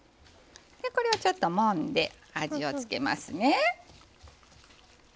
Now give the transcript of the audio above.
これをちょっともんで味を付けますね。